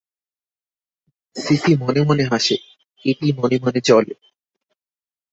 CC মনে মনে হাসে, কেটি মনে মনে জ্বলে।